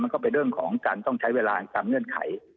ก็เป็นเรื่องของการต้องใช้เวลาตามเงื่อนไข